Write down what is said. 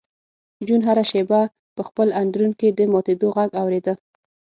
جون هره شېبه په خپل اندرون کې د ماتېدو غږ اورېده